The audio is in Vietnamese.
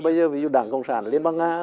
bây giờ ví dụ đảng cộng sản ở liên bang nga